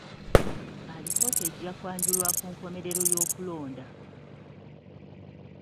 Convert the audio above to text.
Alipoota ejja kwanjulwa ku nkomerero y'okulonda.